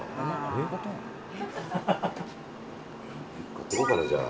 買っておこうかな、じゃあ。